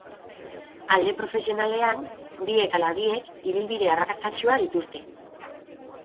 Alde profesionalean, biek ala biek ibilbide arrakastatsuak dituzte.